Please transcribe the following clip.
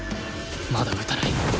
まだ撃たない